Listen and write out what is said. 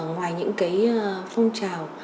ngoài những phong trào